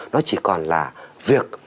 nó chỉ còn là việc